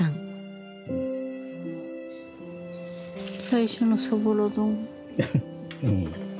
最初のそぼろ丼。